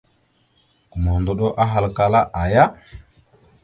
Gomohəndoɗo ahalkala : aaya ?